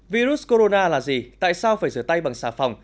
virus corona là gì tại sao phải rửa tay bằng xà phòng